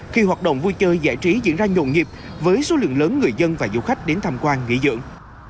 khi hoạt động vui chơi giải trí diễn ra nhộn nhịp với số lượng lớn người dân và du khách đến tham quan nghỉ dưỡng